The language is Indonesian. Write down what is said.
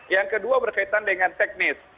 yang kedua berkaitan dengan teknis